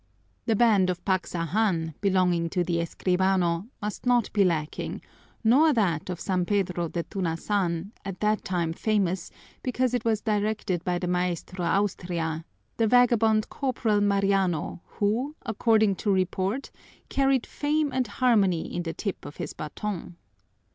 The band of Pagsanhan belonging to the escribano must not be lacking nor that of San Pedro de Tunasan, at that time famous because it was directed by the maestro Austria, the vagabond "Corporal Mariano" who, according to report, carried fame and harmony in the tip of his baton.